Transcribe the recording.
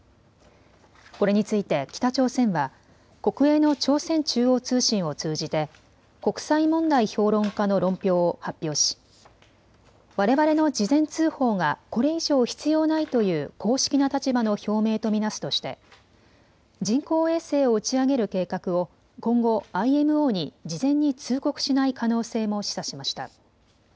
これについて北朝鮮は国営の朝鮮中央通信を通じて国際問題評論家の論評を発表しわれわれの事前通報がこれ以上必要ないという公式な立場の表明と見なすとして人工衛星を打ち上げる計画を今後、ＩＭＯに事前に通告しない可能性も示唆しました。